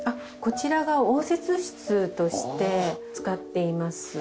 こちらが応接室として使っています。